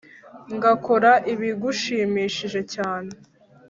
ngakora ibigushimishije. cyane